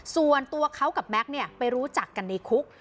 ส่วนตัวเขากับแม็กซ์ไปรู้จักกันในคุก